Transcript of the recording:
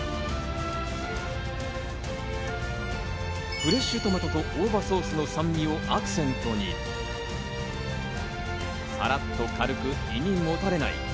フレッシュトマトと大葉ソースの酸味をアクセントに、さらっと軽く胃にもたれない。